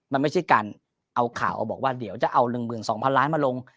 มันไม่ใช่การเอาข่าวบอกว่าเดี๋ยวจะเอา๑๒๐๐๐ล้านมาลง